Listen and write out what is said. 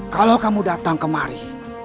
kalau kamu datang kemari